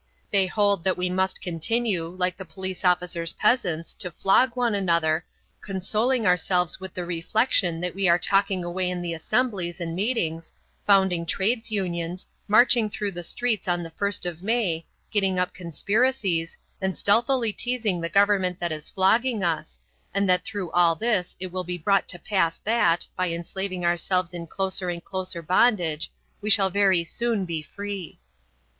They hold that we must continue, like the police officer's peasants, to flog one another, consoling ourselves with the reflection that we are talking away in the assemblies and meetings, founding trades unions, marching through the streets on the 1st of May, getting up conspiracies, and stealthily teasing the government that is flogging us, and that through all this it will be brought to pass that, by enslaving ourselves in closer and closer bondage, we shall very soon be free.